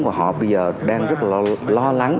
và họ bây giờ đang rất lo lắng